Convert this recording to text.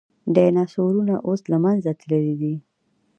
ډیناسورونه اوس له منځه تللي دي